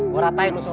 gue ratain lu semua